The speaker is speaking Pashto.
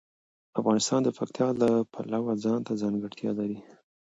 افغانستان د پکتیا د پلوه ځانته ځانګړتیا لري.